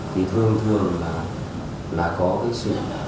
thì thường thường là có cái sự